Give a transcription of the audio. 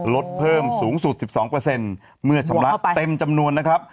ลดเพิ่มสูงสุด๑๒เมื่อชำระเต็มจำนวนนะครับ